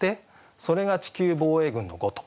それが「地球防衛軍のごと」。